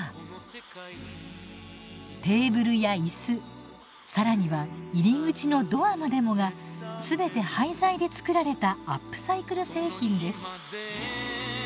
テーブルや椅子更には入り口のドアまでもが全て廃材で作られたアップサイクル製品です。